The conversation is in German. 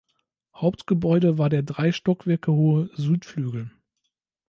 Hauptgebäude war der drei Stockwerke hohe Südflügel.